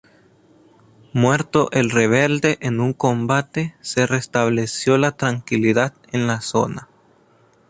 Muerto el rebelde en un combate se restableció la tranquilidad en la zona.